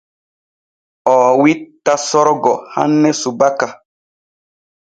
Oo witta Sorgo hanne subaka.